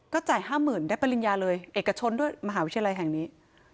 จ่าย๕๐๐๐ได้ปริญญาเลยเอกชนด้วยมหาวิทยาลัยแห่งนี้